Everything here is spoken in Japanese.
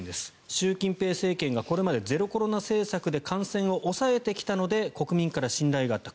習近平政権がこれまでゼロコロナ政策で感染を抑えてきたので国民から信頼があった。